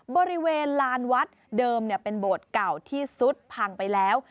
บริเวณลานวัดเดิมเป็นโบสถ์เก่าที่สุดพังไปแล้ว